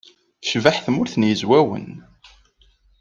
Tecbeḥ Tmurt n Yizwawen.